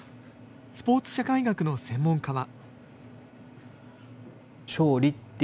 スポーツ社会学の専門家は。